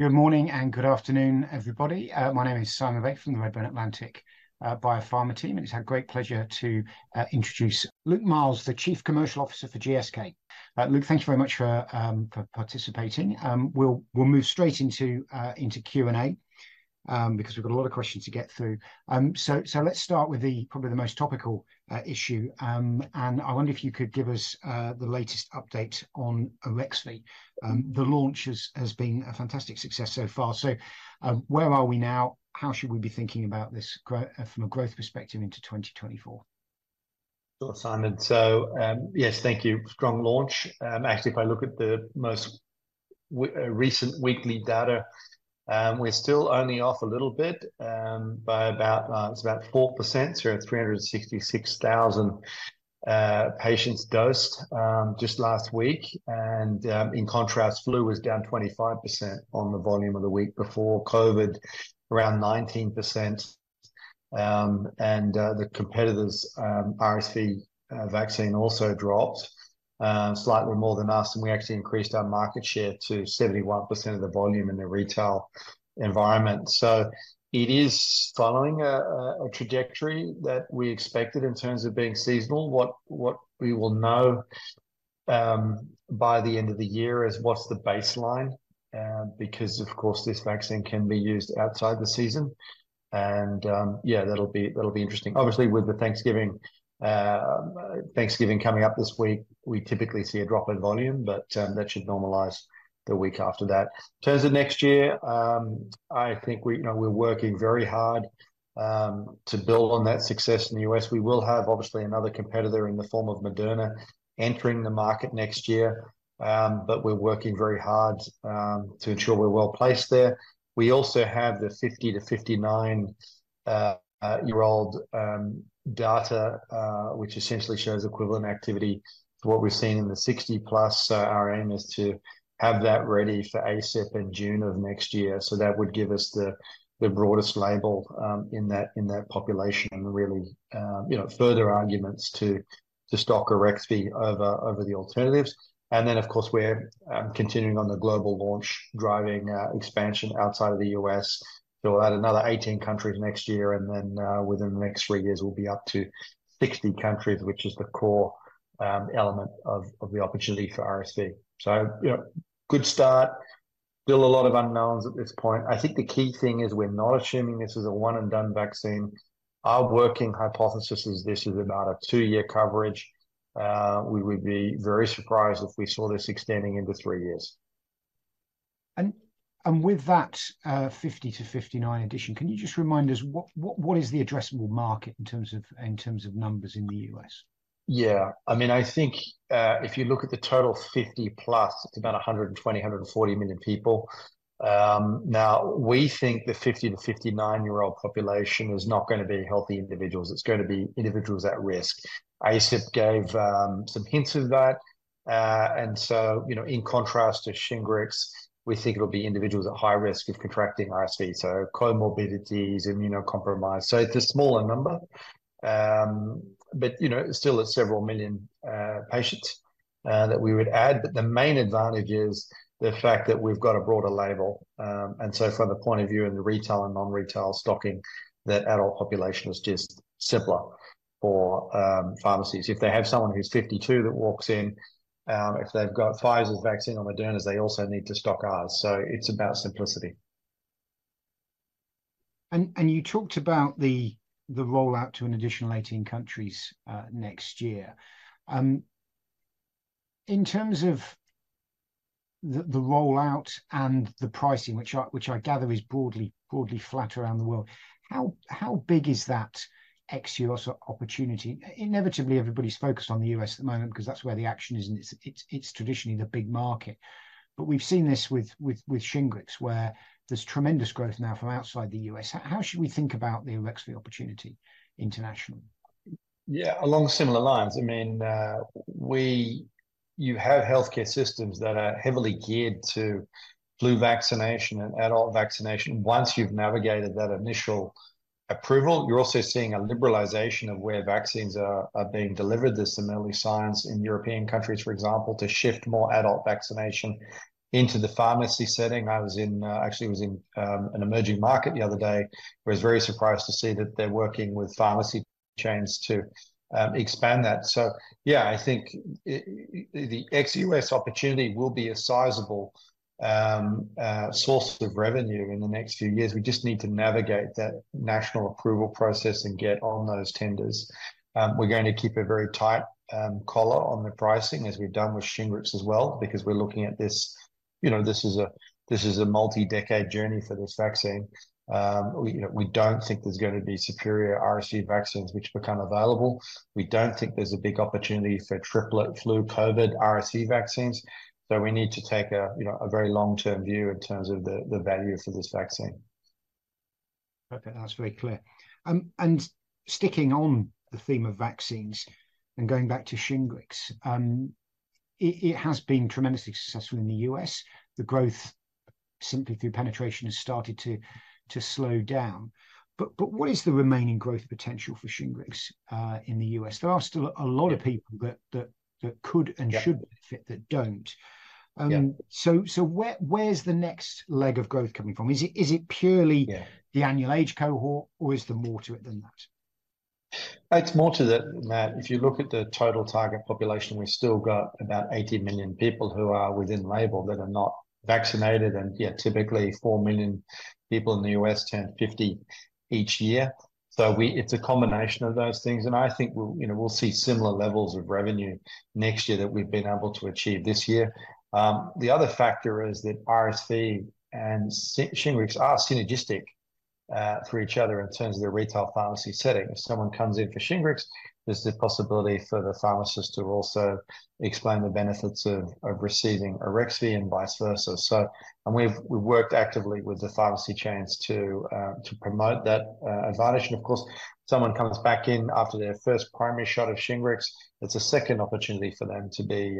Good morning and good afternoon, everybody. My name is Simon Baker from the Redburn Atlantic Biopharma team, and it's our great pleasure to introduce Luke Miels, the Chief Commercial Officer for GSK. Luke, thank you very much for participating. We'll move straight into Q&A because we've got a lot of questions to get through. So let's start with probably the most topical issue. I wonder if you could give us the latest update on Arexvy. The launch has been a fantastic success so far. So where are we now? How should we be thinking about this growth from a growth perspective into 2024? Sure, Simon. So, yes, thank you. Strong launch. Actually, if I look at the most recent weekly data, we're still only off a little bit, by about, it's about 4%, so around 366,000 patients dosed, just last week. And, in contrast, flu was down 25% on the volume of the week before. COVID, around 19%. And, the competitor's RSV vaccine also dropped, slightly more than us, and we actually increased our market share to 71% of the volume in the retail environment. So it is following a trajectory that we expected in terms of being seasonal. What we will know by the end of the year is what's the baseline, because of course, this vaccine can be used outside the season, and yeah, that'll be, that'll be interesting. Obviously, with Thanksgiving coming up this week, we typically see a drop in volume, but that should normalize the week after that. In terms of next year, I think we, you know, we're working very hard to build on that success in the U.S. We will have, obviously, another competitor in the form of Moderna entering the market next year. But we're working very hard to ensure we're well-placed there. We also have the 50 to 59-year-old data, which essentially shows equivalent activity to what we're seeing in the 60+. So our aim is to have that ready for ACIP in June of next year, so that would give us the broadest label in that population, and really, you know, further arguments to stock Arexvy over the alternatives. And then, of course, we're continuing on the global launch, driving expansion outside of the U.S. So we'll add another 18 countries next year, and then, within the next three years, we'll be up to 60 countries, which is the core element of the opportunity for RSV. So, you know, good start. Still a lot of unknowns at this point. I think the key thing is we're not assuming this is a one-and-done vaccine. Our working hypothesis is this is about a two year coverage. We would be very surprised if we saw this extending into three years. With that 50 to 59 addition, can you just remind us what the addressable market is in terms of numbers in the U.S.? Yeah. I mean, I think, if you look at the total 50+, it's about 120 million to 140 million people. Now, we think the 50- to 59-year-old population is not going to be healthy individuals, it's going to be individuals at risk. ACIP gave some hints of that. And so, you know, in contrast to Shingrix, we think it'll be individuals at high risk of contracting RSV, so comorbidities, immunocompromised. So it's a smaller number, but, you know, still it's several million patients that we would add. But the main advantage is the fact that we've got a broader label. And so from the point of view in the retail and non-retail stocking, that adult population is just simpler for pharmacies. If they have someone who's 52 that walks in, if they've got Pfizer's vaccine or Moderna's, they also need to stock ours, so it's about simplicity. You talked about the rollout to an additional 18 countries next year. In terms of the rollout and the pricing, which I gather is broadly flat around the world, how big is that ex-U.S. opportunity? Inevitably, everybody's focused on the U.S. at the moment because that's where the action is, and it's traditionally the big market. But we've seen this with Shingrix, where there's tremendous growth now from outside the U.S. How should we think about the Arexvy opportunity internationally? Yeah, along similar lines. I mean, You have healthcare systems that are heavily geared to flu vaccination and adult vaccination. Once you've navigated that initial approval, you're also seeing a liberalization of where vaccines are being delivered. There's some early signs in European countries, for example, to shift more adult vaccination into the pharmacy setting. I was in, actually, an emerging market the other day, where I was very surprised to see that they're working with pharmacy chains to expand that. So yeah, I think the ex-U.S, opportunity will be a sizable source of revenue in the next few years. We just need to navigate that national approval process and get on those tenders. We're going to keep a very tight collar on the pricing, as we've done with Shingrix as well, because we're looking at this, you know, this is a multi-decade journey for this vaccine. We, you know, we don't think there's going to be superior RSV vaccines which become available. We don't think there's a big opportunity for triplet flu, Covid, RSV vaccines, so we need to take a, you know, a very long-term view in terms of the value for this vaccine. Okay, that's very clear. And sticking on the theme of vaccines and going back to Shingrix, it has been tremendously successful in the U.S. The growth simply through penetration has started to slow down. But what is the remaining growth potential for Shingrix in the U.S? There are still a lot of people that could and should- Yeah benefit they don't. Yeah. So, where's the next leg of growth coming from? Is it purely- Yeah the annual age cohort, or is there more to it than that? It's more to that, Matt, if you look at the total target population, we've still got about 80 million people who are within label that are not vaccinated, and yet typically 4 million people in the U.S. turn 50 each year. So we- it's a combination of those things, and I think we'll, you know, we'll see similar levels of revenue next year that we've been able to achieve this year. The other factor is that RSV and Shingrix are synergistic for each other in terms of the retail pharmacy setting. If someone comes in for Shingrix, there's the possibility for the pharmacist to also explain the benefits of receiving AREXVY and vice versa. So and we've worked actively with the pharmacy chains to promote that advantage. Of course, if someone comes back in after their first primary shot of Shingrix, it's a second opportunity for them to be,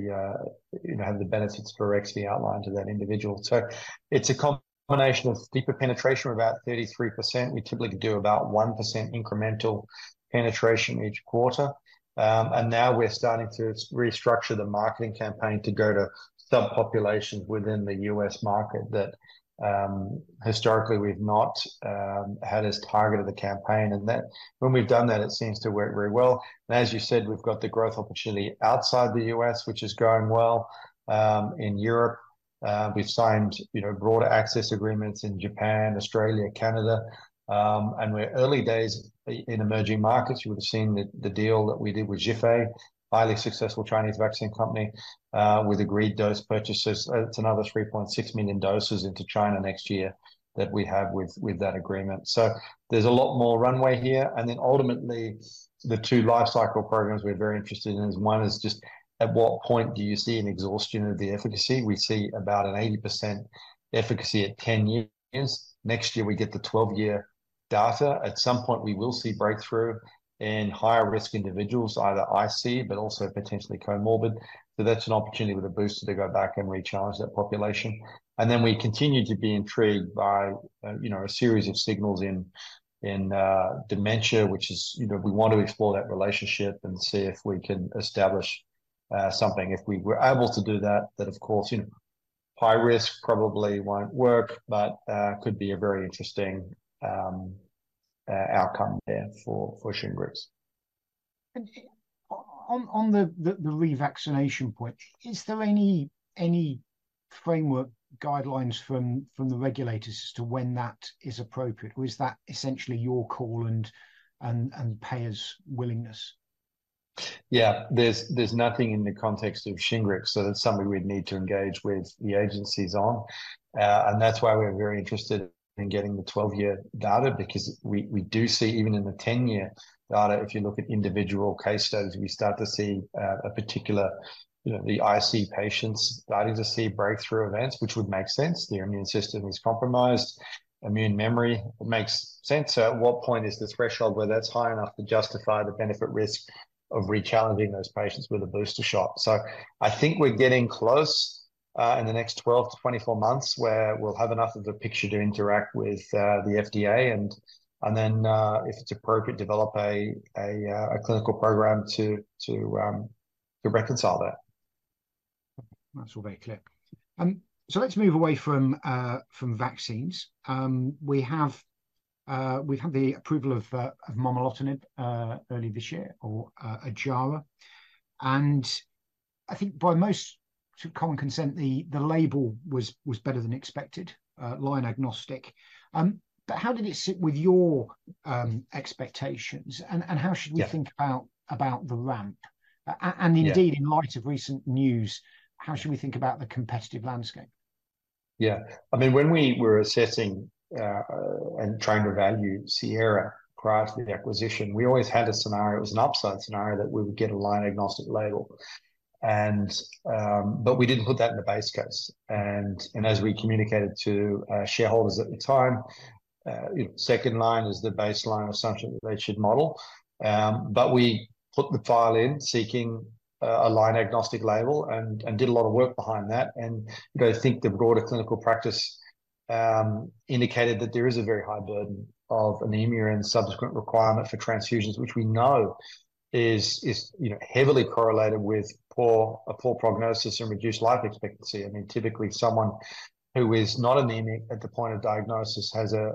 you know, have the benefits for AREXVY outlined to that individual. So it's a combination of deeper penetration, about 33%. We typically could do about 1% incremental penetration each quarter. And now we're starting to restructure the marketing campaign to go to subpopulations within the U.S market that, historically, we've not had as target of the campaign. And when we've done that, it seems to work very well. And as you said, we've got the growth opportunity outside the U.S, which is going well. In Europe, we've signed, you know, broader access agreements in Japan, Australia, Canada. And we're early days in emerging markets. You would have seen the deal that we did with Zhifei, a highly successful Chinese vaccine company, with agreed dose purchases. It's another 3.6 million doses into China next year that we have with that agreement. So there's a lot more runway here. And then ultimately, the two life cycle programs we're very interested in is one is just at what point do you see an exhaustion of the efficacy? We see about an 80% efficacy at 10 years. Next year, we get the 12-year data. At some point, we will see breakthrough in higher-risk individuals, either IC, but also potentially comorbid. So that's an opportunity with a booster to go back and recharge that population. Then we continue to be intrigued by, you know, a series of signals in dementia, which is, you know, we want to explore that relationship and see if we can establish something. If we were able to do that, then, of course, you know, high risk probably won't work, but could be a very interesting outcome there for Shingrix. On the revaccination point, is there any framework guidelines from the regulators as to when that is appropriate? Or is that essentially your call and payer's willingness? Yeah, there's nothing in the context of Shingrix, so that's something we'd need to engage with the agencies on. And that's why we're very interested in getting the 12-year data, because we do see, even in the 10-year data, if you look at individual case studies, we start to see a particular, you know, the IC patients starting to see breakthrough events, which would make sense. Their immune system is compromised. Immune memory makes sense. So at what point is the threshold where that's high enough to justify the benefit-risk of rechallenging those patients with a booster shot? So I think we're getting close in the next 12-24 months, where we'll have enough of the picture to interact with the FDA, and then, if it's appropriate, develop a clinical program to reconcile that. That's all very clear. Let's move away from vaccines. We've had the approval of momelotinib early this year or Ojjaara. I think by most common consent, the label was better than expected, line agnostic. How did it sit with your expectations? Yeah. How should we think about the ramp? Yeah. Indeed, in light of recent news, how should we think about the competitive landscape? Yeah. I mean, when we were assessing, and trying to value Sierra Oncology prior to the acquisition, we always had a scenario. It was an upside scenario that we would get a line-agnostic label. And, but we didn't put that in the base case. And, and as we communicated to, shareholders at the time, second line is the baseline assumption that they should model. But we put the file in seeking, a line-agnostic label and, and did a lot of work behind that. And I think the broader clinical practice, indicated that there is a very high burden of anemia and subsequent requirement for transfusions, which we know is, you know, heavily correlated with poor prognosis and reduced life expectancy. I mean, typically, someone who is not anemic at the point of diagnosis has a,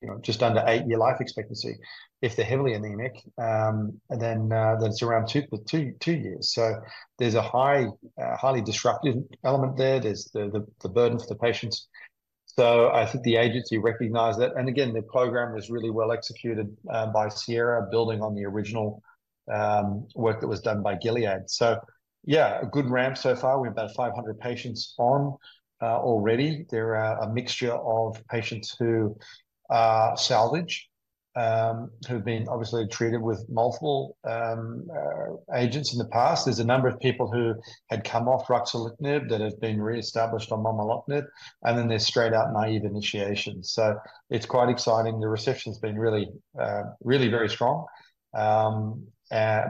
you know, just under eight-year life expectancy. If they're heavily anemic, then it's around two years. So there's a high, highly disruptive element there. There's the burden for the patients. So I think the agency recognized that. And again, the program was really well executed by Sierra, building on the original work that was done by Gilead. So yeah, a good ramp so far. We have about 500 patients on already. They're a mixture of patients who salvage, who've been obviously treated with multiple agents in the past. There's a number of people who had come off ruxolitinib that have been reestablished on momelotinib, and then there's straight-out naive initiations. So it's quite exciting. The reception's been really, really very strong,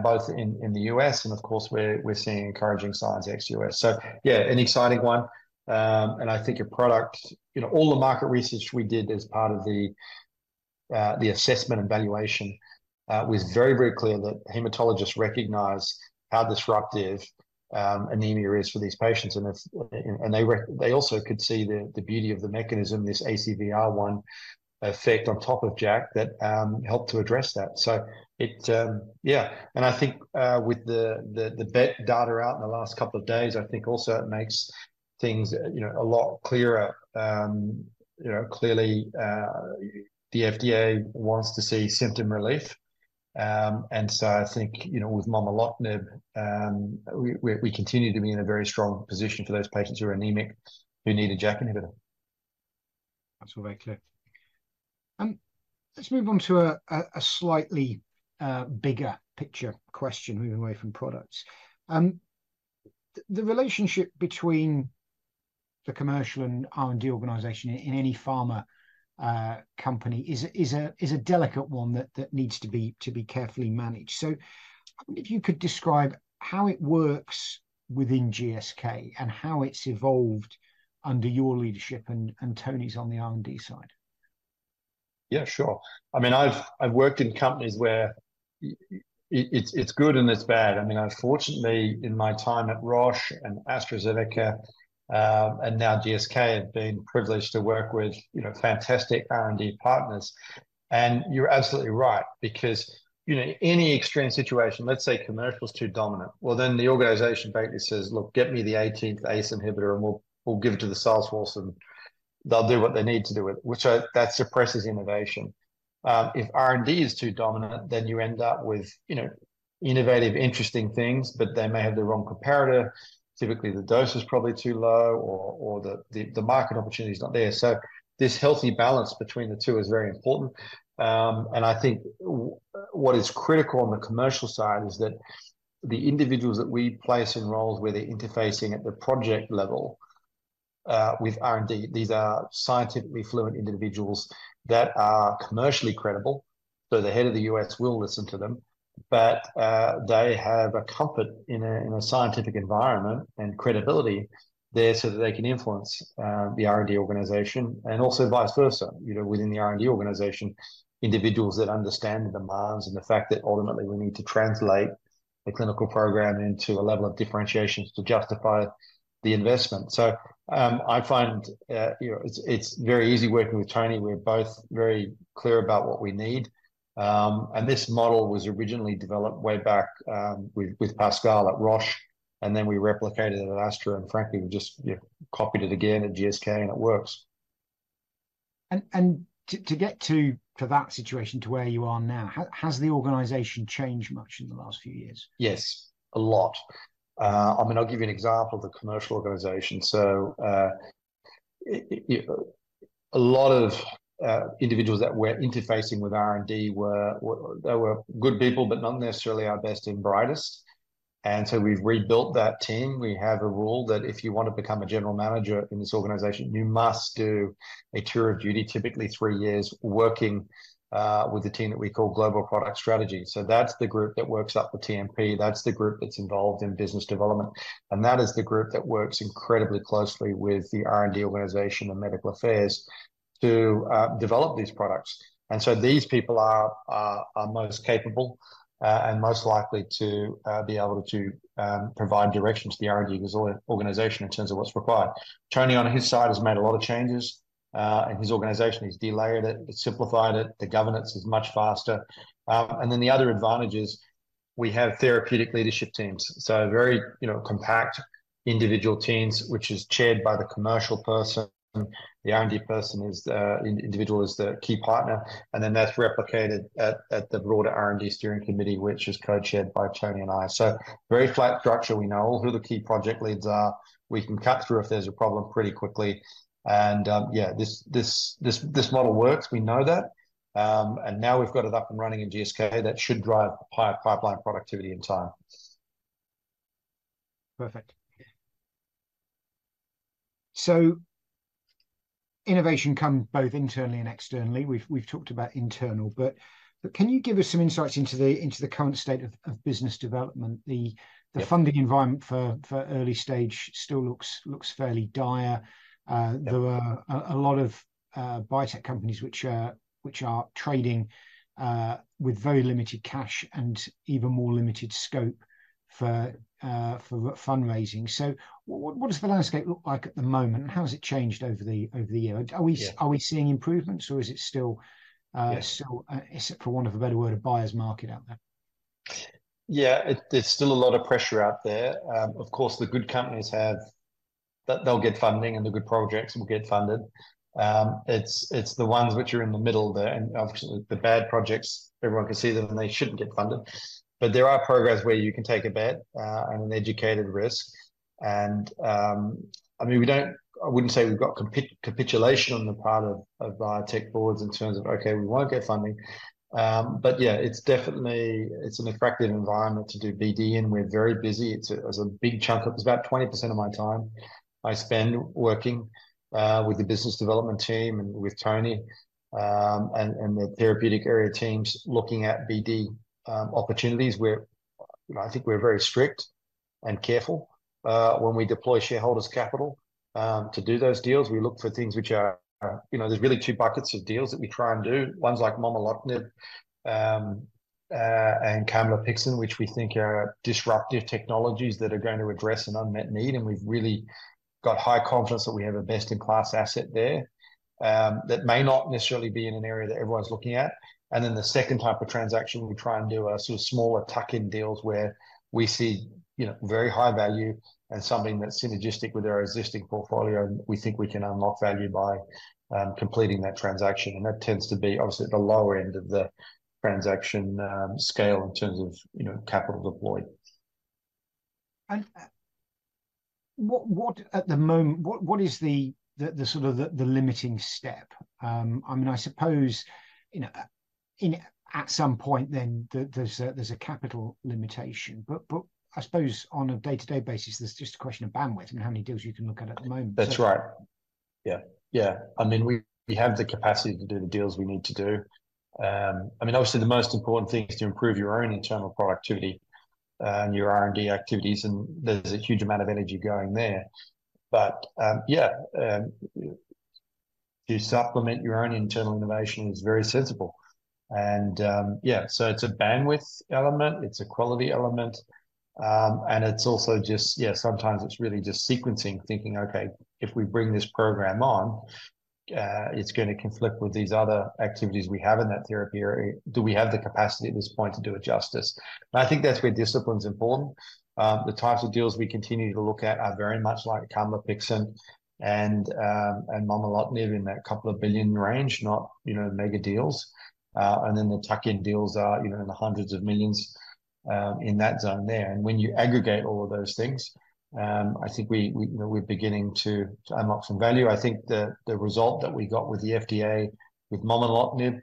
both in the U.S., and of course, we're seeing encouraging signs ex-U.S. So yeah, an exciting one. And I think a product, you know, all the market research we did as part of the assessment and valuation, it was very, very clear that hematologists recognize how disruptive anemia is for these patients, and it's, and they also could see the beauty of the mechanism, this ACVR1 effect on top of JAK, that helped to address that. So it, yeah, and I think with the BET data out in the last couple of days, I think also it makes things, you know, a lot clearer. You know, clearly, the FDA wants to see symptom relief. And so I think, you know, with momelotinib, we continue to be in a very strong position for those patients who are anemic, who need a JAK inhibitor. That's all very clear. Let's move on to a slightly bigger picture question, moving away from products. The relationship between the commercial and R&D organization in any pharma company is a delicate one that needs to be carefully managed. So if you could describe how it works within GSK, and how it's evolved under your leadership, and Tony's on the R&D side? Yeah, sure. I mean, I've worked in companies where it's good and it's bad. I mean, I've fortunately, in my time at Roche and AstraZeneca, and now GSK, I've been privileged to work with, you know, fantastic R&D partners. And you're absolutely right, because, you know, any extreme situation, let's say commercial's too dominant, well, then the organization basically says, "Look, get me the 18th ACE inhibitor, and we'll give it to the sales force, and they'll do what they need to do with it," which that suppresses innovation. If R&D is too dominant, then you end up with, you know, innovative, interesting things, but they may have the wrong comparator. Typically, the dose is probably too low or the market opportunity's not there. So this healthy balance between the two is very important. And I think what is critical on the commercial side is that the individuals that we place in roles where they're interfacing at the project level, with R&D, these are scientifically fluent individuals that are commercially credible, so the head of the U.S. will listen to them. But they have a comfort in a scientific environment and credibility there, so that they can influence the R&D organization and also vice versa. You know, within the R&D organization, individuals that understand the demands and the fact that ultimately we need to translate the clinical program into a level of differentiation to justify the investment. So I find you know, it's very easy working with Tony. We're both very clear about what we need. This model was originally developed way back with Pascal at Roche, and then we replicated it at Astra, and frankly, we just, you know, copied it again at GSK, and it works. To get to that situation, to where you are now, how has the organization changed much in the last few years? Yes, a lot. I mean, I'll give you an example of the commercial organization. So, a lot of individuals that we're interfacing with R&D they were good people, but not necessarily our best and brightest, and so we've rebuilt that team. We have a rule that if you want to become a general manager in this organization, you must do a tour of duty, typically three years, working with the team that we call global product strategy. So that's the group that works up the TPP, that's the group that's involved in business development, and that is the group that works incredibly closely with the R&D organization and medical affairs to develop these products. So these people are most capable and most likely to be able to provide direction to the R&D organization in terms of what's required. Tony, on his side, has made a lot of changes in his organization. He's de-layered it, he's simplified it. The governance is much faster. And then the other advantage is we have therapeutic leadership teams, so very, you know, compact individual teams, which is chaired by the commercial person. The R&D person is individual is the key partner, and then that's replicated at the broader R&D steering committee, which is co-chaired by Tony and I. So very flat structure. We know who the key project leads are. We can cut through if there's a problem pretty quickly. And yeah, this model works. We know that. And now we've got it up and running in GSK, that should drive higher pipeline productivity in time. Perfect. So innovation comes both internally and externally. We've talked about internal, but can you give us some insights into the current state of business development? Yeah. The funding environment for early stage still looks fairly dire. Yeah. There are a lot of biotech companies which are trading with very limited cash and even more limited scope for fundraising. So what does the landscape look like at the moment, and how has it changed over the year? Yeah. Are we, are we seeing improvements, or is it still? Yes still, for want of a better word, a buyer's market out there? Yeah, there's still a lot of pressure out there. Of course, the good companies have... They, they'll get funding, and the good projects will get funded. It's the ones which are in the middle there, and obviously, the bad projects, everyone can see them, and they shouldn't get funded. But there are programs where you can take a bet and an educated risk. And, I mean, I wouldn't say we've got capitulation on the part of biotech boards in terms of, "Okay, we won't get funding." But yeah, it's definitely an attractive environment to do BD, and we're very busy. It's a big chunk of about 20% of my time I spend working with the business development team and with Tony and the therapeutic area teams, looking at BD opportunities where-... You know, I think we're very strict and careful when we deploy shareholders' capital. To do those deals, we look for things which are, you know, there's really two buckets of deals that we try and do. One's like momelotinib and camlipixant, which we think are disruptive technologies that are going to address an unmet need, and we've really got high confidence that we have a best-in-class asset there, that may not necessarily be in an area that everyone's looking at. And then the second type of transaction we try and do are sort of smaller tuck-in deals, where we see, you know, very high value and something that's synergistic with our existing portfolio, and we think we can unlock value by completing that transaction. That tends to be obviously at the lower end of the transaction scale in terms of, you know, capital deployed. And what at the moment—what is the sort of limiting step? I mean, I suppose, you know, you know, at some point then that there's a capital limitation. But I suppose on a day-to-day basis, it's just a question of bandwidth and how many deals you can look at at the moment. That's right. Yeah. Yeah. I mean, we have the capacity to do the deals we need to do. I mean, obviously, the most important thing is to improve your own internal productivity and your R&D activities, and there's a huge amount of energy going there. But yeah, to supplement your own internal innovation is very sensible. And yeah, so it's a bandwidth element, it's a quality element, and it's also just... Yeah, sometimes it's really just sequencing, thinking, "Okay, if we bring this program on, it's going to conflict with these other activities we have in that therapy area. Do we have the capacity at this point to do it justice?" And I think that's where discipline's important. The types of deals we continue to look at are very much like camlipixant and momelotinib in that $2 billion range, not, you know, mega deals. Then the tuck-in deals are, you know, in the $ hundreds of millions, in that zone there. When you aggregate all of those things, I think we, you know, we're beginning to unlock some value. I think the result that we got with the FDA, with momelotinib,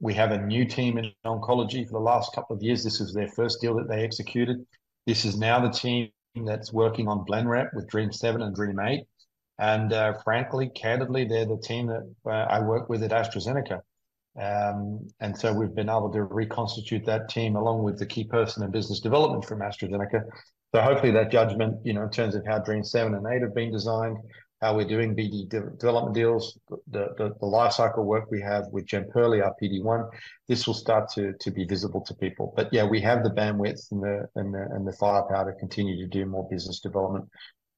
we have a new team in oncology for the last two years, this is their first deal that they executed. This is now the team that's working on BLENREP with DREAMM-7 and DREAMM-8. Frankly, candidly, they're the team that I worked with at AstraZeneca. And so we've been able to reconstitute that team, along with the key person in business development from AstraZeneca. So hopefully, that judgment, you know, in terms of how DREAMM-7 and 8 have been designed, how we're doing BD development deals, the life cycle work we have with Jemperli, our PD-1, this will start to be visible to people. But yeah, we have the bandwidth and the firepower to continue to do more business development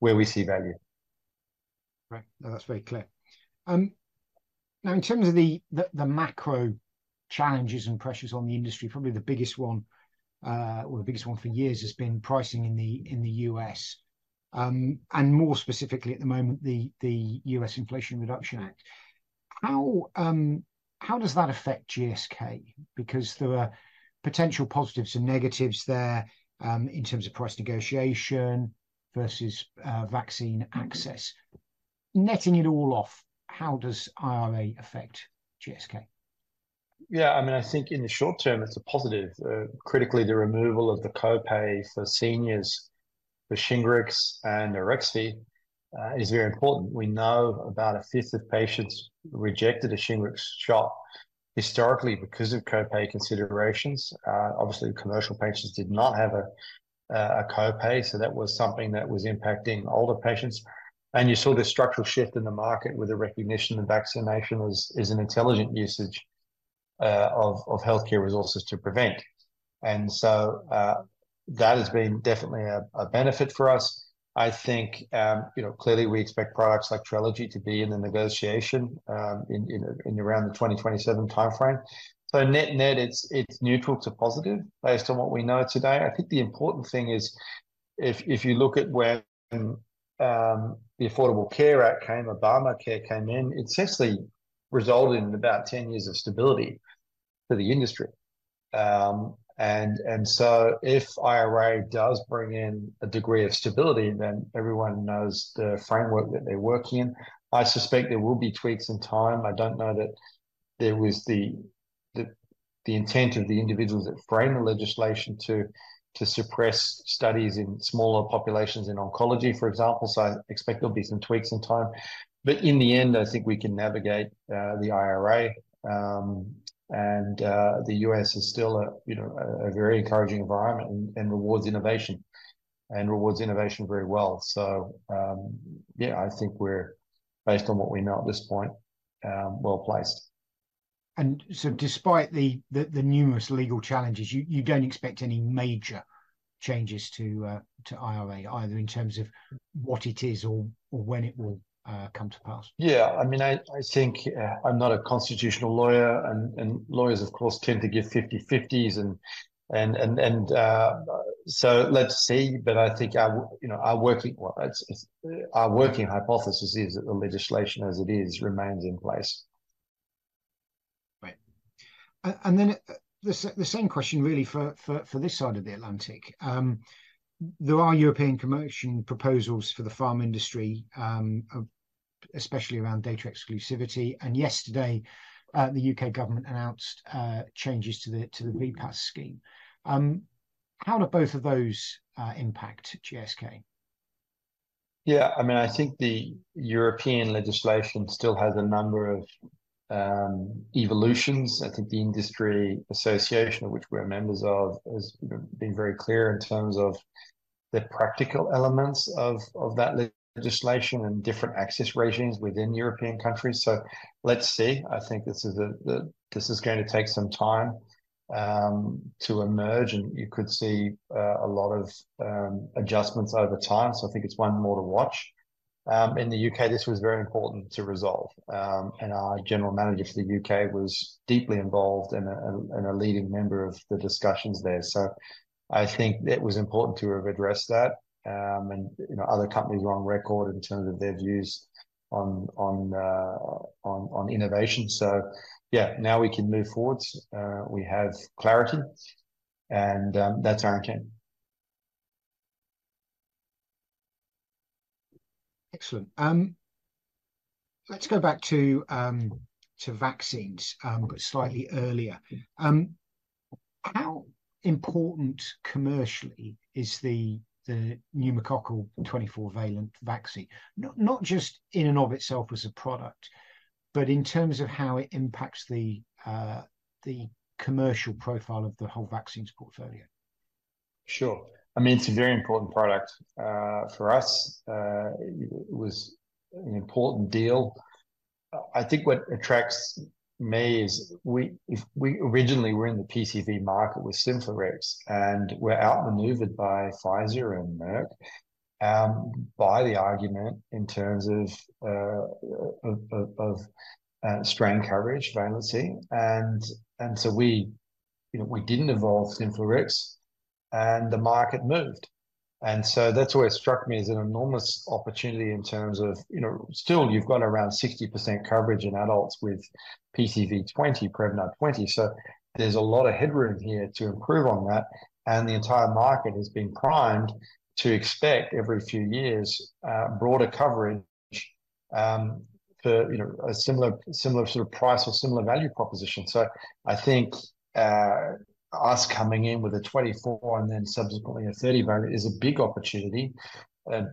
where we see value. Right. No, that's very clear. Now in terms of the macro challenges and pressures on the industry, probably the biggest one, or the biggest one for years has been pricing in the U.S, and more specifically at the moment, the U.S Inflation Reduction Act. How, how does that affect GSK? Because there are potential positives and negatives there, in terms of price negotiation versus vaccine access. Netting it all off, how does IRA affect GSK? Yeah, I mean, I think in the short term, it's a positive. Critically, the removal of the co-pay for seniors, for Shingrix and Arexvy, is very important. We know about a fifth of patients rejected a Shingrix shot historically because of co-pay considerations. Obviously, commercial patients did not have a co-pay, so that was something that was impacting older patients. And you saw the structural shift in the market with the recognition that vaccination was, is an intelligent usage of healthcare resources to prevent. And so, that has been definitely a benefit for us. I think, you know, clearly, we expect products like Trelegy to be in the negotiation in around the 2027 timeframe. So net-net, it's neutral to positive based on what we know today. I think the important thing is if you look at when the Affordable Care Act came, Obamacare came in, it essentially resulted in about 10 years of stability for the industry. And so if IRA does bring in a degree of stability, then everyone knows the framework that they work in. I suspect there will be tweaks in time. I don't know that there was the intent of the individuals that framed the legislation to suppress studies in smaller populations in oncology, for example. So I expect there'll be some tweaks in time. But in the end, I think we can navigate the IRA. And the U.S. is still a you know a very encouraging environment and rewards innovation, and rewards innovation very well. So, yeah, I think we're, based on what we know at this point, well-placed. Despite the numerous legal challenges, you don't expect any major changes to IRA, either in terms of what it is or when it will come to pass? Yeah, I mean, I think, I'm not a constitutional lawyer, and lawyers, of course, tend to give 50/50s, so let's see. But I think our, you know, our working—well, it's our working hypothesis is that the legislation, as it is, remains in place. Right. Then the same question really for this side of the Atlantic. There are European Commission proposals for the pharma industry, especially around data exclusivity. And yesterday, the U.K, government announced changes to the VPAS scheme. How do both of those impact GSK?... Yeah, I mean, I think the European legislation still has a number of evolutions. I think the industry association, of which we're members of, has been very clear in terms of the practical elements of that legislation and different access regimes within European countries. So let's see. I think this is going to take some time to emerge, and you could see a lot of adjustments over time. So I think it's one more to watch. In the U.K., this was very important to resolve. And our general manager for the U.K. was deeply involved and a leading member of the discussions there. So I think it was important to have addressed that. And, you know, other companies were on record in terms of their views on innovation. So yeah, now we can move forward. We have clarity, and that's our intent. Excellent. Let's go back to, to vaccines, but slightly earlier. How important commercially is the, the pneumococcal 24-valent vaccine? Not, not just in and of itself as a product, but in terms of how it impacts the, the commercial profile of the whole vaccines portfolio. Sure. I mean, it's a very important product. For us, it was an important deal. I think what attracts me is we—if we originally were in the PCV market with Synflorix, and we're outmaneuvered by Pfizer and Merck, by the argument in terms of strain coverage, valency. And so we, you know, we didn't evolve Synflorix, and the market moved. And so that's where it struck me as an enormous opportunity in terms of, you know, still you've got around 60% coverage in adults with PCV20, Prevnar20. So there's a lot of headroom here to improve on that, and the entire market has been primed to expect every few years, broader coverage, for, you know, a similar, similar sort of price or similar value proposition. So I think, us coming in with a 24- and then subsequently a 30-valent is a big opportunity,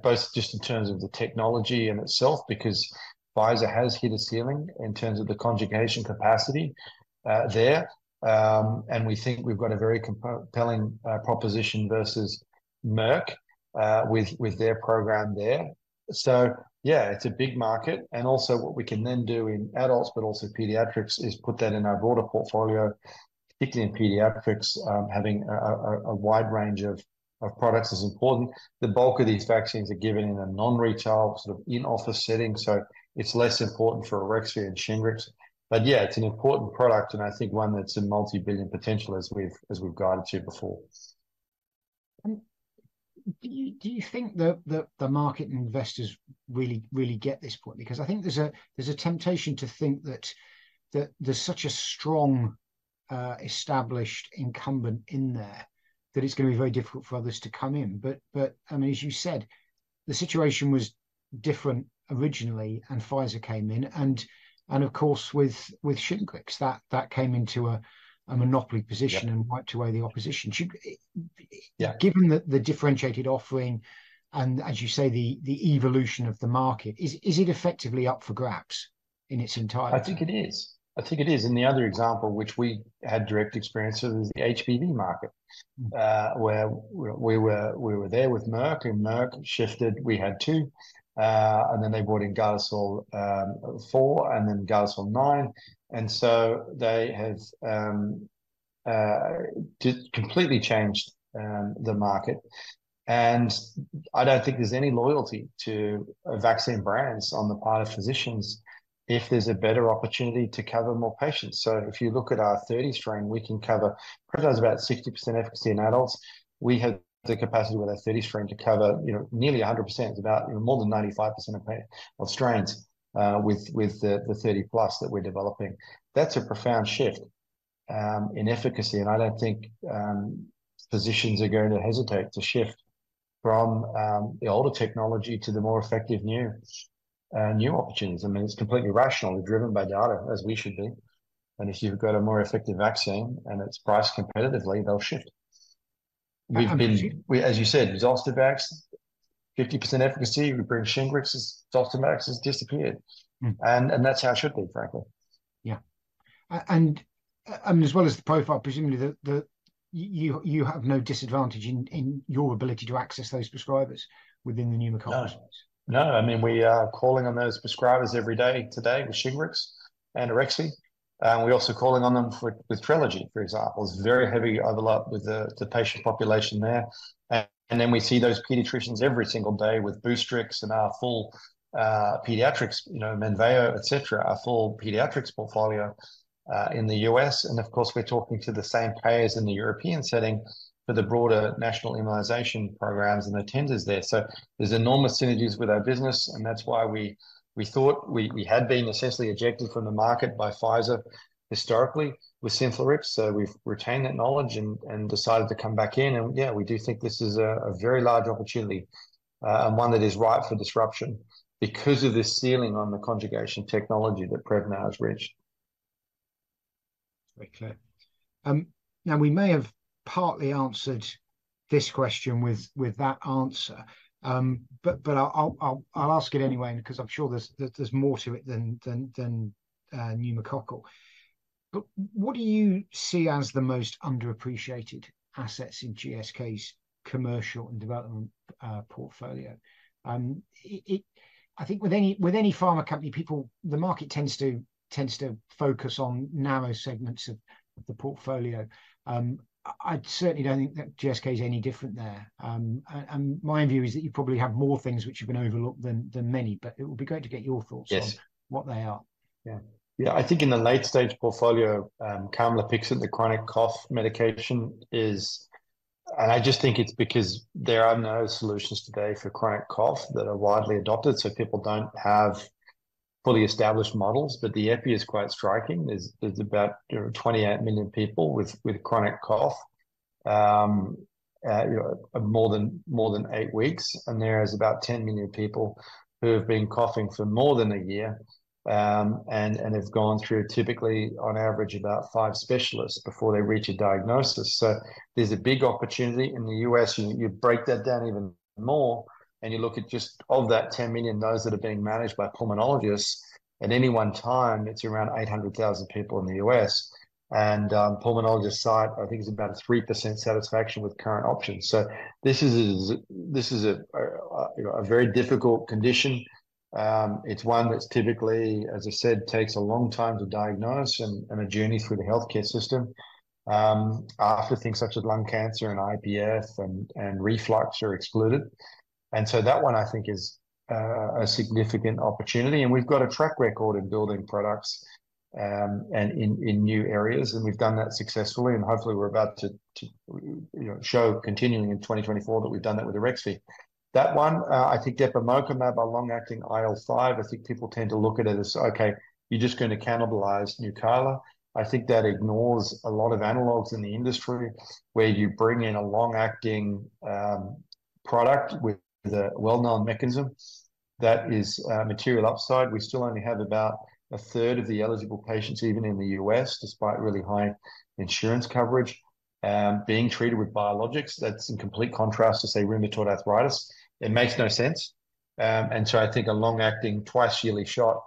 both just in terms of the technology in itself, because Pfizer has hit a ceiling in terms of the conjugation capacity, there. And we think we've got a very compelling proposition versus Merck, with their program there. So yeah, it's a big market. And also what we can then do in adults, but also pediatrics, is put that in our broader portfolio, particularly in pediatrics, having a wide range of products is important. The bulk of these vaccines are given in a non-retail, sort of in-office setting, so it's less important for Arexvy and Shingrix. But yeah, it's an important product, and I think one that's a multi-billion potential, as we've guided to before. And do you think that the market and investors really get this point? Because I think there's a temptation to think that there's such a strong established incumbent in there, that it's gonna be very difficult for others to come in. But I mean, as you said, the situation was different originally, and Pfizer came in, and of course, with Shingrix, that came into a monopoly position- Yep and wiped away the opposition. Yeah given the differentiated offering, and as you say, the evolution of the market, is it effectively up for grabs in its entirety? I think it is. I think it is. And the other example, which we had direct experience with, is the HPV market, where we were there with Merck, and Merck shifted. We had two, and then they brought in Gardasil 4, and then Gardasil 9. And so they have just completely changed the market. And I don't think there's any loyalty to vaccine brands on the part of physicians if there's a better opportunity to cover more patients. So if you look at our 30-strain, we can cover, Prevnar's about 60% efficacy in adults. We have the capacity with our 30-strain to cover, you know, nearly 100%, about more than 95% of strains, with the 30+ that we're developing. That's a profound shift in efficacy, and I don't think physicians are going to hesitate to shift from the older technology to the more effective new options. I mean, it's completely rational. We're driven by data, as we should be. And if you've got a more effective vaccine and it's priced competitively, they'll shift. As you said, Zostavax, 50% efficacy. We bring Shingrix, Zostavax has disappeared. That's how it should be, frankly. Yeah. And as well as the profile, presumably, you have no disadvantage in your ability to access those prescribers within the pneumococcus? No. No, I mean, we are calling on those prescribers every day today with Shingrix and AREXVY, and we're also calling on them for- with Trelegy, for example. There's very heavy overlap with the, the patient population there. And, and then we see those pediatricians every single day with Boostrix and our full, pediatrics, you know, Menveo, et cetera, our full pediatrics portfolio, in the U.S. And of course, we're talking to the same payers in the European setting for the broader national immunization programs and the tenders there. So there's enormous synergies with our business, and that's why we, we thought we, we had been essentially ejected from the market by Pfizer historically with Synflorix. So we've retained that knowledge and decided to come back in, and yeah, we do think this is a very large opportunity, and one that is ripe for disruption because of this ceiling on the conjugation technology that Prevnar has reached.... Very clear. Now we may have partly answered this question with that answer, but I'll ask it anyway, 'cause I'm sure there's more to it than pneumococcal. But what do you see as the most underappreciated assets in GSK's commercial and development portfolio? It—I think with any pharma company, people—the market tends to focus on narrow segments of the portfolio. I certainly don't think that GSK is any different there. And my view is that you probably have more things which have been overlooked than many, but it would be great to get your thoughts on- Yes... what they are. Yeah. Yeah. I think in the late-stage portfolio, camlipixant, the chronic cough medication, is... And I just think it's because there are no solutions today for chronic cough that are widely adopted, so people don't have fully established models. But the epi is quite striking. There's about, you know, 28 million people with chronic cough, more than eight weeks, and there is about 10 million people who have been coughing for more than a year, and have gone through, typically, on average, about five specialists before they reach a diagnosis. So there's a big opportunity in the U.S. You break that down even more, and you look at just of that 10 million, those that are being managed by pulmonologists at any one time, it's around 800,000 people in the U.S. And, pulmonologist site, I think, is about a 3% satisfaction with current options. So this is a, this is a, you know, a very difficult condition. It's one that's typically, as I said, takes a long time to diagnose and a journey through the healthcare system, after things such as lung cancer and IPF and reflux are excluded. And so that one, I think, is a significant opportunity, and we've got a track record in building products, and in new areas, and we've done that successfully. And hopefully, we're about to, to, you know, show continuing in 2024 that we've done that with Arexvy. That one, I think depemokimab, a long-acting IL-5, I think people tend to look at it as, "Okay, you're just going to cannibalize Nucala." I think that ignores a lot of analogues in the industry, where you bring in a long-acting product with a well-known mechanism. That is material upside. We still only have about a third of the eligible patients, even in the U.S., despite really high insurance coverage, being treated with biologics. That's in complete contrast to, say, rheumatoid arthritis. It makes no sense. And so I think a long-acting, twice-yearly shot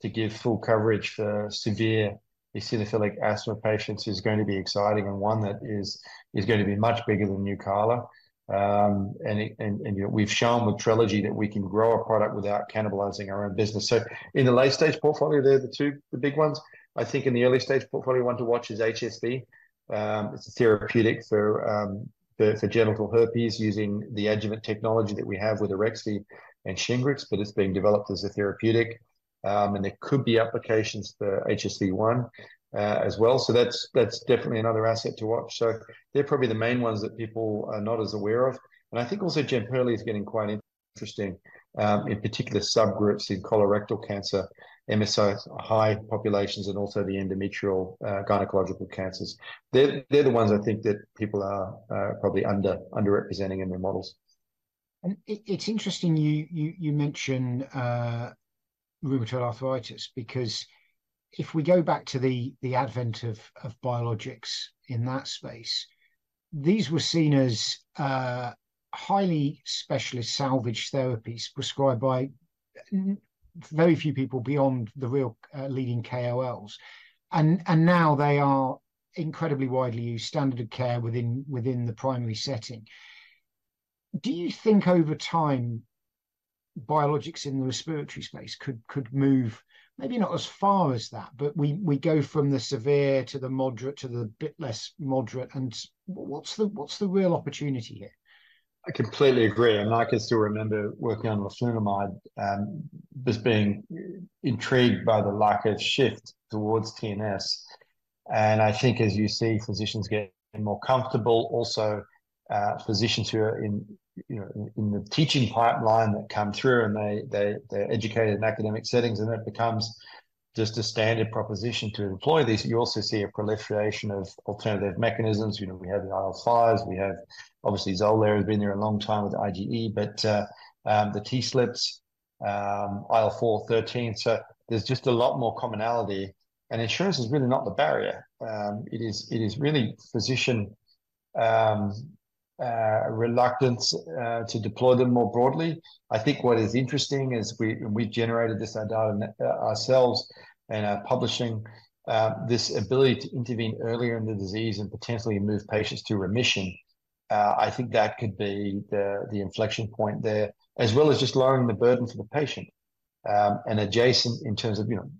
to give full coverage for severe eosinophilic asthma patients is going to be exciting, and one that is going to be much bigger than Nucala. And we've shown with Trelegy that we can grow a product without cannibalizing our own business. So in the late-stage portfolio, they're the two, the big ones. I think in the early-stage portfolio, one to watch is HSV. It's a therapeutic for genital herpes using the adjuvant technology that we have with Arexvy and Shingrix, but it's being developed as a therapeutic. And there could be applications for HSV one, as well. So that's definitely another asset to watch. So they're probably the main ones that people are not as aware of. And I think also Jemperli is getting quite interesting, in particular subgroups in colorectal cancer, MSI-high populations, and also the endometrial, gynecological cancers. They're the ones I think that people are probably underrepresenting in their models. It's interesting you mention rheumatoid arthritis because if we go back to the advent of biologics in that space, these were seen as highly specialist salvage therapies prescribed by very few people beyond the real leading KOLs. And now they are incredibly widely used, standard of care within the primary setting. Do you think over time, biologics in the respiratory space could move maybe not as far as that, but we go from the severe to the moderate to the bit less moderate? And what's the real opportunity here? I completely agree, and I can still remember working on Leflunomide, just being intrigued by the lack of shift towards TNF. And I think as you see physicians getting more comfortable, also, physicians who are in, you know, in the teaching pipeline that come through, and they, they're educated in academic settings, and that becomes just a standard proposition to employ these. You also see a proliferation of alternative mechanisms. You know, we have the IL-fives, we have-- obviously, Xolair has been there a long time with IgE, but, the TSLPs, IL-four, thirteen. So there's just a lot more commonality. And insurance is really not the barrier, it is, it is really physician, reluctance, to deploy them more broadly. I think what is interesting is we've generated this data ourselves and are publishing this ability to intervene earlier in the disease and potentially move patients to remission. I think that could be the inflection point there, as well as just lowering the burden for the patient. And adjacent in terms of, you know,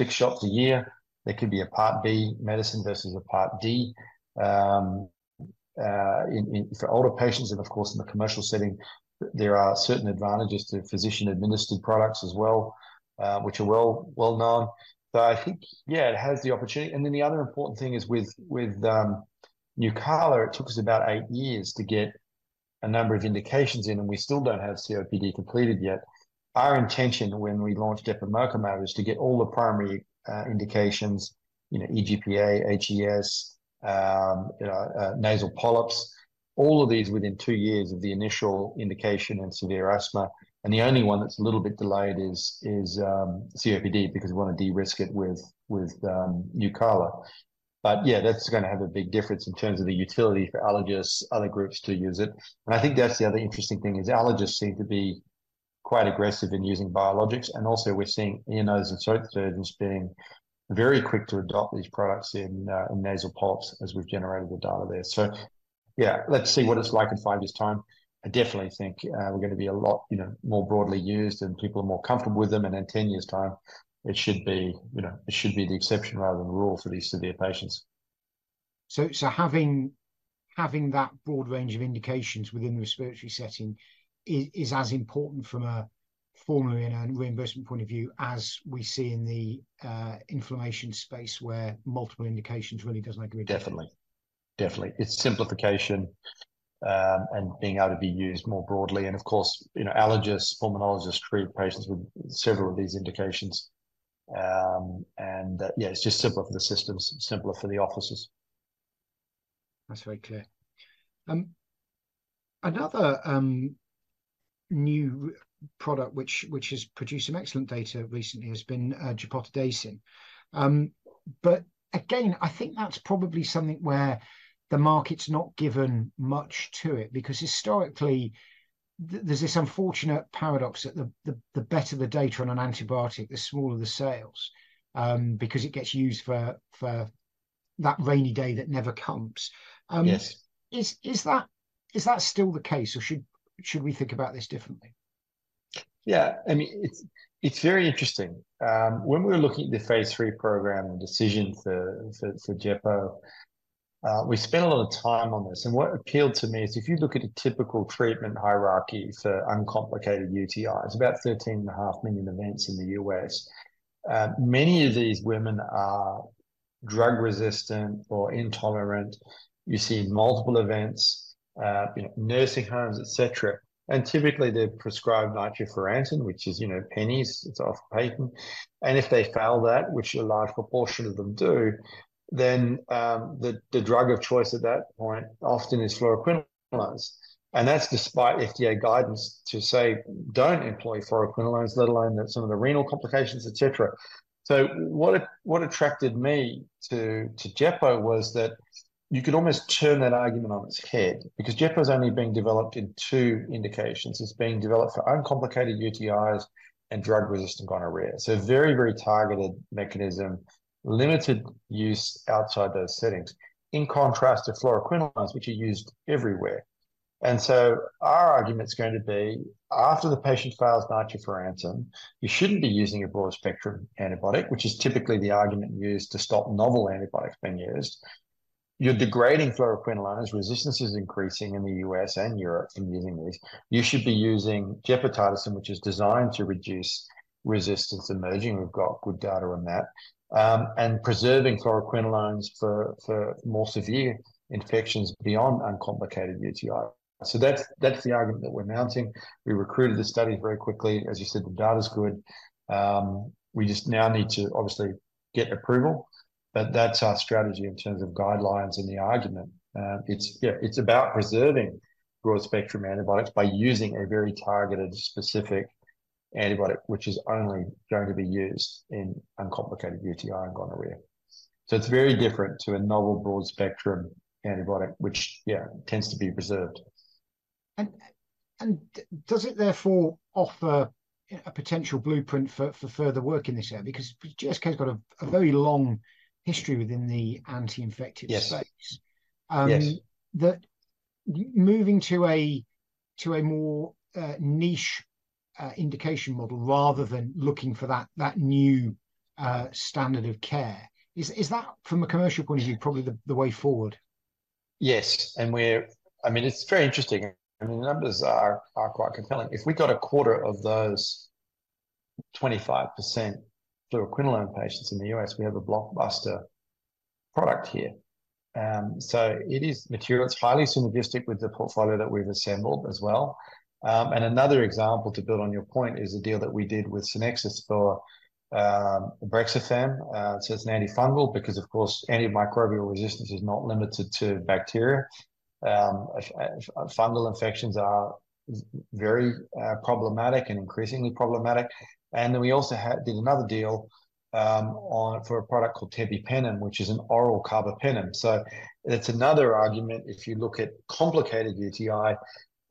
six shots a year, there could be a Part B medicine versus a Part D. In for older patients, and of course, in the commercial setting, there are certain advantages to physician-administered products as well, which are well known. So I think, yeah, it has the opportunity. And then the other important thing is with Nucala, it took us about eight years to get a number of indications in, and we still don't have COPD completed yet. Our intention when we launched depemokimab was to get all the primary indications, you know, EGPA, HES, nasal polyps—all of these within two years of the initial indication in severe asthma, and the only one that's a little bit delayed is COPD, because we want to de-risk it with Nucala. But yeah, that's gonna have a big difference in terms of the utility for allergists, other groups to use it. And I think that's the other interesting thing, is allergists seem to be quite aggressive in using biologics, and also we're seeing ENTs and ENT surgeons being very quick to adopt these products in nasal polyps as we've generated the data there. So yeah, let's see what it's like in five years' time. I definitely think, we're gonna be a lot, you know, more broadly used, and people are more comfortable with them, and in 10 years' time, it should be, you know, it should be the exception rather than the rule for these severe patients. So having that broad range of indications within the respiratory setting is as important from a formulary and a reimbursement point of view, as we see in the inflammation space, where multiple indications really does make a difference? Definitely. Definitely. It's simplification, and being able to be used more broadly, and of course, you know, allergists, pulmonologists treat patients with several of these indications. And, yeah, it's just simpler for the systems, simpler for the offices. That's very clear. Another new product which has produced some excellent data recently has been gepotidacin. But again, I think that's probably something where the market's not given much to it, because historically, there's this unfortunate paradox that the better the data on an antibiotic, the smaller the sales, because it gets used for that rainy day that never comes. Yes... is that still the case, or should we think about this differently? Yeah, I mean, it's very interesting. When we were looking at the phase III program and decisions for gepo, we spent a lot of time on this, and what appealed to me is if you look at a typical treatment hierarchy for uncomplicated UTI, it's about 13.5 million events in the U.S. Many of these women are drug resistant or intolerant. You see multiple events, you know, nursing homes, et cetera, and typically they're prescribed nitrofurantoin, which is, you know, pennies. It's off patent. And if they fail that, which a large proportion of them do, then the drug of choice at that point often is fluoroquinolones, and that's despite FDA guidance to say, "Don't employ fluoroquinolones," let alone some of the renal complications, et cetera. So what attracted me to gepotidacin was that you could almost turn that argument on its head, because gepotidacin's only being developed in two indications. It's being developed for uncomplicated UTIs and drug-resistant gonorrhea. So a very, very targeted mechanism, limited use outside those settings, in contrast to fluoroquinolones, which are used everywhere. And so our argument's going to be, after the patient fails nitrofurantoin, you shouldn't be using a broad-spectrum antibiotic, which is typically the argument used to stop novel antibiotics being used. You're degrading fluoroquinolones. Resistance is increasing in the US and Europe in using these. You should be using gepotidacin, which is designed to reduce resistance emerging. We've got good data on that. And preserving fluoroquinolones for more severe infections beyond uncomplicated UTI. So that's the argument that we're mounting. We recruited the study very quickly. As you said, the data's good. We just now need to obviously get approval, but that's our strategy in terms of guidelines and the argument. It's, yeah, it's about preserving broad-spectrum antibiotics by using a very targeted, specific antibiotic, which is only going to be used in uncomplicated UTI and gonorrhea. So it's very different to a novel broad-spectrum antibiotic, which, yeah, tends to be preserved. Does it therefore offer a potential blueprint for further work in this area? Because GSK's got a very long history within the anti-infective space. Yes. Yes. Moving to a more niche indication model, rather than looking for that new standard of care, is that from a commercial point of view probably the way forward? Yes, I mean, it's very interesting. I mean, the numbers are quite compelling. If we got a quarter of those 25% fluoroquinolone patients in the U.S., we have a blockbuster product here. So it is material. It's highly synergistic with the portfolio that we've assembled as well. And another example, to build on your point, is the deal that we did with Scynexis for Brexafemme. So it's an antifungal, because of course, antimicrobial resistance is not limited to bacteria. Fungal infections are very problematic and increasingly problematic. And then we also did another deal for a product called tebipenem, which is an oral carbapenem. So it's another argument. If you look at complicated UTI,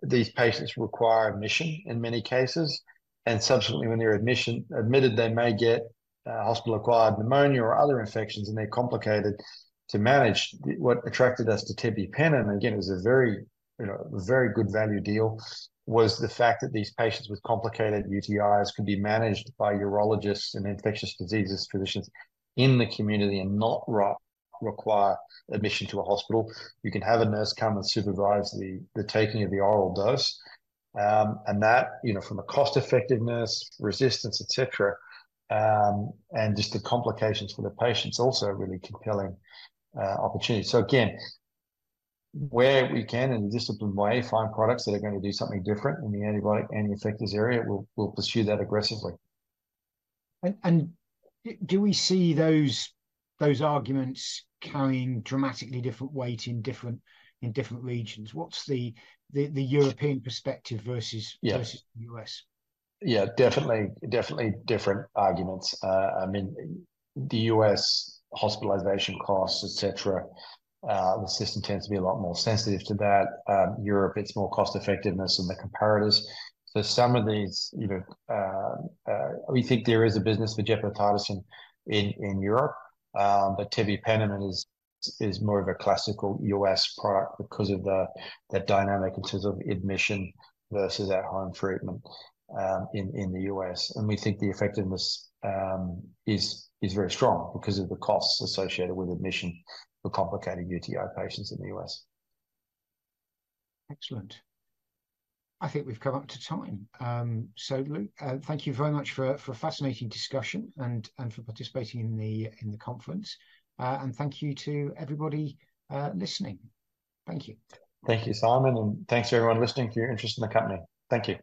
these patients require admission in many cases, and subsequently, when they're admitted, they may get hospital-acquired pneumonia or other infections, and they're complicated to manage. What attracted us to tebipenem, again, it was a very, you know, very good value deal, was the fact that these patients with complicated UTIs could be managed by urologists and infectious diseases physicians in the community and not require admission to a hospital. You can have a nurse come and supervise the taking of the oral dose. And that, you know, from a cost effectiveness, resistance, et cetera, and just the complications for the patient, it's also a really compelling opportunity. So again, where we can, in a disciplined way, find products that are gonna do something different in the antibiotic/anti-infectives area, we'll pursue that aggressively. Do we see those arguments carrying dramatically different weight in different regions? What's the European perspective versus- Yeah versus the U.S.? Yeah, definitely, definitely different arguments. I mean, the U.S hospitalization costs, et cetera, the system tends to be a lot more sensitive to that. Europe, it's more cost effectiveness and the comparators. So some of these, you know... We think there is a business for gepotidacin in, in Europe, but tebipenem is, is more of a classical U.S product because of the, the dynamic in terms of admission versus at-home treatment, in, in the U.S. And we think the effectiveness, is, is very strong because of the costs associated with admission for complicated UTI patients in the U.S. Excellent. I think we've come up to time. So, Luke, thank you very much for a fascinating discussion and for participating in the conference. And thank you to everybody listening. Thank you. Thank you, Simon, and thanks to everyone listening, for your interest in the company. Thank you.